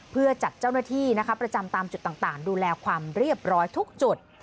เพื่อจัดเจ้าหน้าที่ประจำตามจุดต่างดูแลความเรียบร้อยทุกจุด